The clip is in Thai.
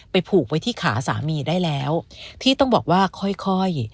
ผูกไว้ที่ขาสามีได้แล้วพี่ต้องบอกว่าค่อยค่อย